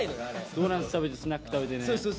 ドーナツ食べてスナック食べてね。